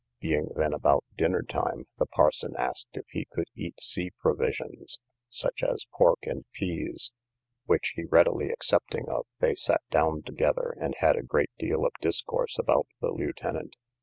Being then about dinner time, the parson asked if he could eat sea provisions, such as pork and peas, which he readily accepting of, they sat down together, and had a great deal of discourse about the lieutenant.